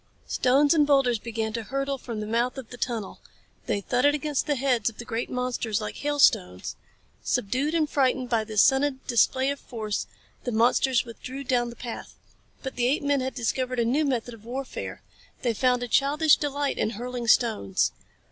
Stones and boulders began to hurtle from the mouth of the tunnel. They thudded against the heads of the great monsters like hailstones. Subdued and frightened by this sudden display of force, the monsters withdrew down the path. But the apemen had discovered a new method of warfare. They found a childish delight in hurling stones.